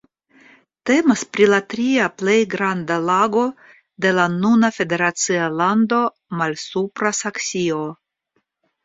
Temas pri la tria plej granda lago de la nuna federacia lando Malsupra Saksio.